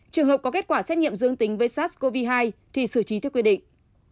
trường hợp có kết quả xét nghiệm dương tính với sars cov hai thì xử trí theo quy định